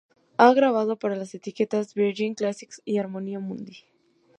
Ha grabado para las etiquetas Virgin Classics y Harmonia Mundi.